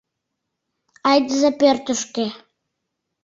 Айдыза пӧртышкӧ.